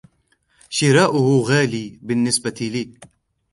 شراؤه غال بالنسبة لي.